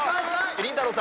りんたろー。